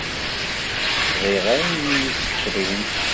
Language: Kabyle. Bɣiɣ ayen isukṛin.